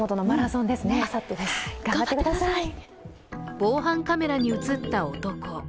防犯カメラに映った男。